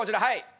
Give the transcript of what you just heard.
はい！